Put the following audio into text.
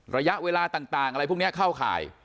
ระยะเวลาต่างอะไรพวกนี้เข้าข่าย